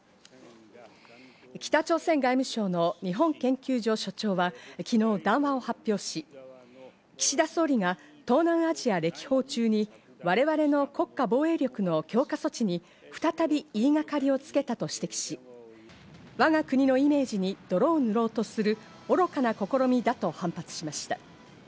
北朝鮮外務省の日本研究所所長は、昨日、談話を発表し、岸田総理が東南アジア歴訪中に我々の国家防衛力の強化措置に再び言いがかりをつけたと指摘し、我が国のイメージに泥を塗ろうとする愚かな試みだと反発しました。